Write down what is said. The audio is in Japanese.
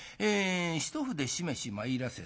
『一筆しめし参らせ候。